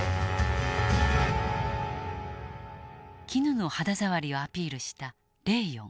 絹の肌触りをアピールしたレーヨン。